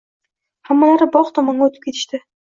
Hammalari bog‘ tomonga o‘tib ketishdi